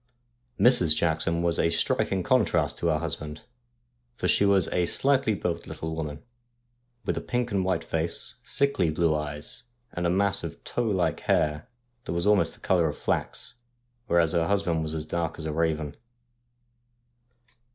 Mrs. Jackson was a striking contrast to her husband, for she was a slightly built little woman, with a pink and white face, sickly blue eyes, and a mass of tow like hair that was almost the colour of flax, whereas her husband was as dark as a raven.